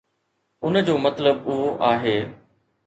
ان جو مطلب اهو آهي.